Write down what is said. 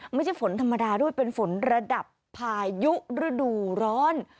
ไม่ใช่ฝนธรรมดาด้วยเป็นฝนระดับพายุฤดูร้อน